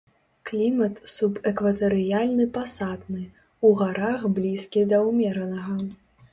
Клімат субэкватарыяльны пасатны, у гарах блізкі да умеранага.